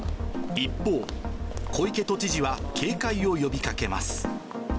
一方、小池都知事は警戒を呼びかけます。